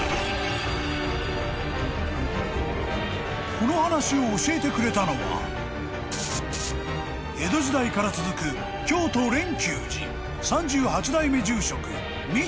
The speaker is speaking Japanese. ［この話を教えてくれたのは江戸時代から続く京都蓮久寺］